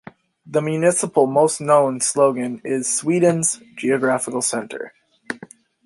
The municipal most known slogan is "Sweden's geographical center".